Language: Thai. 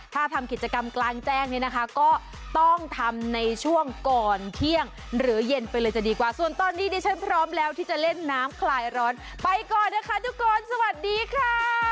ถ้าทำกิจกรรมกลางแจ้งเนี่ยนะคะก็ต้องทำในช่วงก่อนเที่ยงหรือเย็นไปเลยจะดีกว่าส่วนตอนนี้ดิฉันพร้อมแล้วที่จะเล่นน้ำคลายร้อนไปก่อนนะคะทุกคนสวัสดีค่ะ